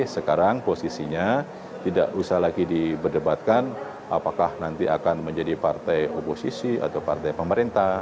sekarang posisinya tidak usah lagi diberdebatkan apakah nanti akan menjadi partai oposisi atau partai pemerintah